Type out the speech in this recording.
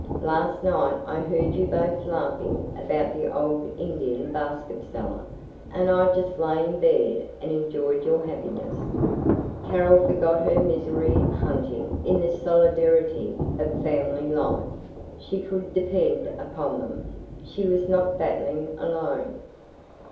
Last night I heard you both laughing about the old Indian basket seller, and I just lay in bed and enjoyed your happiness." Carol forgot her misery hunting in this solidarity of family life. She could depend upon them; she was not battling alone.